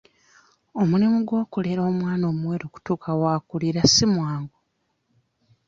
Omulimu gw'okulera omwana omuwere okutuuka w'akulira si mwangu.